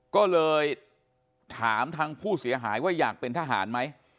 ก็เลยถามทางผู้เสียหายว่าอยากเป็นทหารไหม